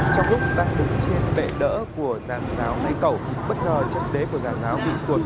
trong lúc đang đứng trên bệ đỡ của gián giáo ngay cầu bất ngờ chân đế của gián giáo bị tuột